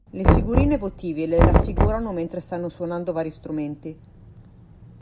Le figurine votive le raffigurano mentre stanno suonando vari strumenti.